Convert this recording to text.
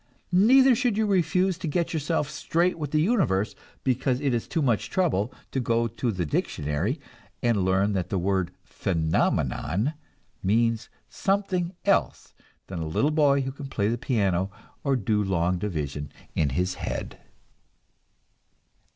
Neither should you refuse to get yourself straight with the universe because it is too much trouble to go to the dictionary and learn that the word "phenomenon" means something else than a little boy who can play the piano or do long division in his head.